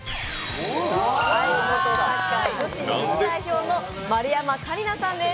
元サッカー女子日本代表の丸山桂里奈さんです。